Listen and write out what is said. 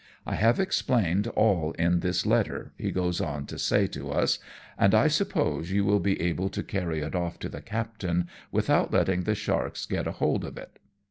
I have explained all in this letter," he goes on to say to us, " and I suppose you will be able to carry it oif to the captain without letting the sharks get a hold of it.